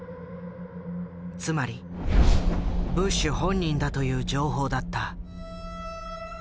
つまりブッシュ本人だという情報だった。